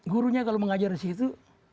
gurunya kalau mengajar disitu